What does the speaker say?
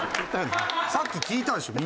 さっき聞いたでしょ？